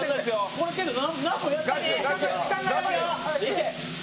これ、けどなんもやってない。